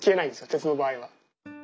鉄の場合は。